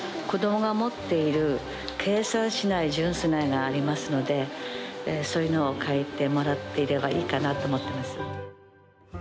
子供が持っている計算しない純粋な絵がありますのでそういうのを描いてもらっていればいいかなと思ってます。